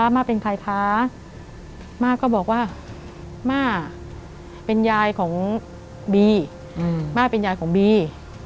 ม่าก็บอกว่าม่าเป็นยายของบี